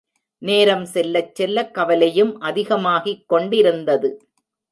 நேரம் செல்லச் செல்ல கவலையும் அதிகமாகிக் கொண்டிருந்தது.